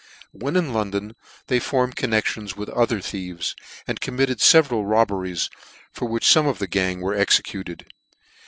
When in London they formed connections with other thieves, and committed feveral robberies, for which fome of the gang were executed.